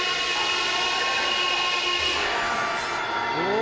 お。